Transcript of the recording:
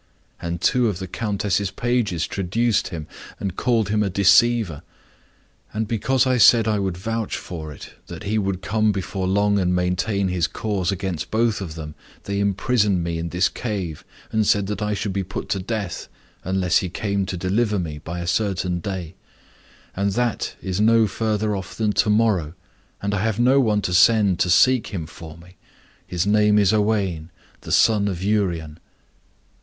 And two of the Countess's pages traduced him, and called him a deceiver. And because I said I would vouch for it he would come before long and maintain his cause against both of them, they imprisoned me in this cave, and said that I should be put to death, unless he came to deliver me, by a certain day; and that is no further off than to morrow, and I have no one to send to seek him for me. His name is Owain, the son of Urien."